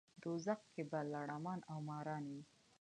دوزخ کې به لړمان او ماران وي.